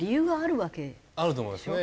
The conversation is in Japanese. あると思いますね。